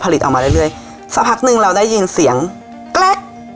ผลิตออกมาเรื่อยเรื่อยสักพักหนึ่งเราได้ยินเสียงอ่ะ